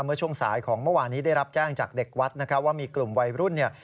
เมื่อช่วงสายของเมื่อวานนี้ได้รับแจ้งจากเด็กวัดนะครับว่ามีกลุ่มวัยรุ่นเนี่ย